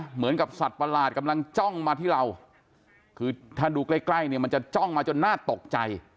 เหมือนกับสัตว์ประหลาดกำลังจ้องมาที่เราคือถ้าดูใกล้ใกล้เนี่ยมันจะจ้องมาจนน่าตกใจ